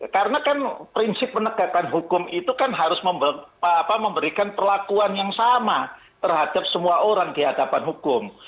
karena kan prinsip penegakan hukum itu kan harus memberikan perlakuan yang sama terhadap semua orang di hadapan hukum